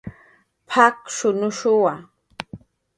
"P""ak"" jarshunushuwa "